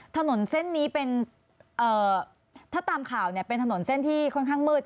ถนนเส้นนี้เป็นถ้าตามข่าวเนี่ยเป็นถนนเส้นที่ค่อนข้างมืด